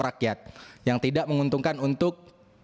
rakyat yang tidak menguntungkan untuk